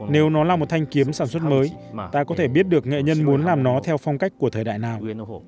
nếu nó là một thanh kiếm sản xuất mới ta có thể biết được nghệ nhân muốn làm nó theo phong cách của thời đại nào